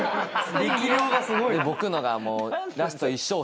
力量がすごい。